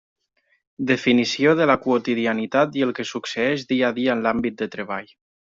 Definició de la quotidianitat i el que succeeix dia a dia en l'àmbit de treball.